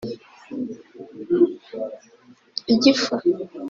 igifu